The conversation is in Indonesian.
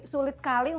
sulit sekali untuk